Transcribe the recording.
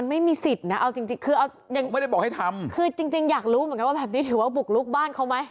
แล้วเอาจริงผมยักรู้แบบนี้ถือว่าบุกลุกบ้านเขาไหม